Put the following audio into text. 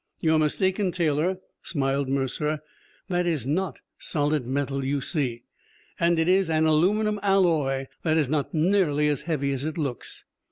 "You're mistaken, Taylor," smiled Mercer. "That is not solid metal, you see. And it is an aluminum alloy that is not nearly as heavy as it looks.